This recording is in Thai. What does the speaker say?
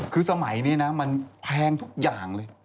คือสมัยนี้นะมันแพงทุกอย่างเลย